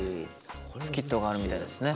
スキットがあるみたいですね。